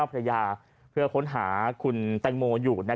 เพื่อค้นหาคุณแตงโมย์อยู่